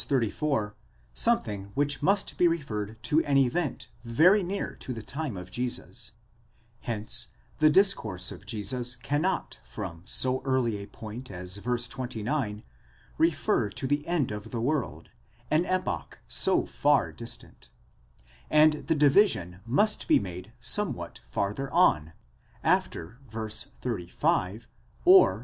34 something which must be referred to an event very near to the time of Jesus: hence the discourse of Jesus cannot from so early a point as v. 29, refer to the end of the world, an epoch so far distant ; and the division must be made somewhat farther on, after v. 35 or 42.)